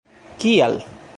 kial